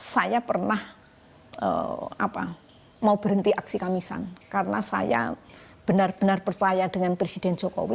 saya pernah mau berhenti aksi kamisan karena saya benar benar percaya dengan presiden jokowi